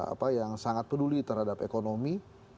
apa yang sangat peduli terhadap ekonomi